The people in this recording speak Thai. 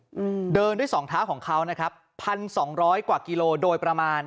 อืมเดินด้วยสองเท้าของเขานะครับพันสองร้อยกว่ากิโลโดยประมาณ